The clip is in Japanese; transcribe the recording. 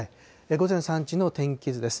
午前３時の天気図です。